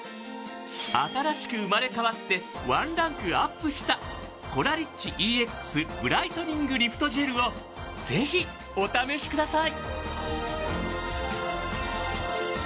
新しく生まれ変わってワンランクＵＰしたコラリッチＥＸブライトニングリフトジェルをぜひお試しください。